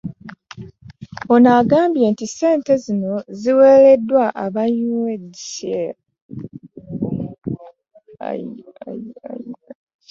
Ono agambye nti ssente zino eziweereddwa aba UEDCL